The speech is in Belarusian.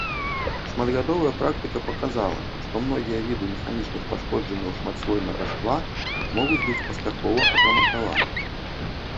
Шматгадовая практыка паказала, што многія віды механічных пашкоджанняў шматслойнага шкла могуць быць паспяхова адрамантаваны.